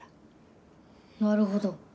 なるほど。